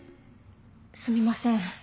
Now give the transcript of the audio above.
すみません。